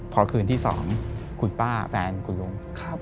พอคืนที่๒คุณป้าแฟนคุณลุง